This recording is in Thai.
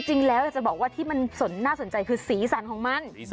จริงแล้วจะบอกว่าที่มันน่าสนใจคือสีสันของมัน